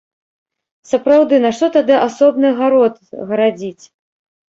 Сапраўды, нашто тады асобны гарод гарадзіць?